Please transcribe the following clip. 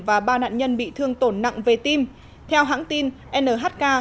và ba nạn nhân bị thương tổn nặng về tim theo hãng tin nhk